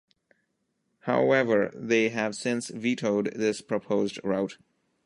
However, they have since vetoed this proposed route.